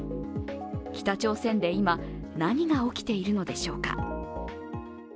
北朝鮮で今、何が起きているのでしょうか。